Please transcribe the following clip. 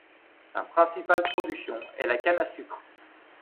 Sa principale production est la canne à sucre.